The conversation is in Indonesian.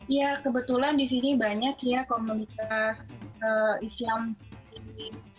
ya kebetulan di sini banyak ya komunitas islam ini